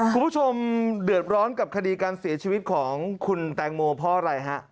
คุณผู้ชมเดือดร้อนกับคดีการเสียชีวิตของคุณแตงโมเพราะอะไรฮะ